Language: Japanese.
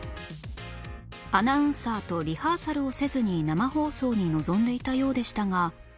アナウンサーとリハーサルをせずに生放送に臨んでいたようでしたが